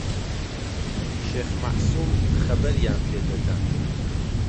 شێخ مەعسووم خەبەریان پێدەدا.